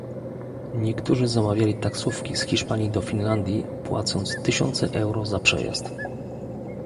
Niektórzy zamawiali taksówki z Hiszpanii do Finlandii, płacąc tysiące euro za przejazd